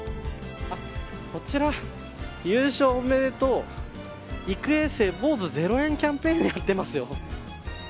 こちら、優勝おめでとう育英生坊主０円キャンペーンをやっています。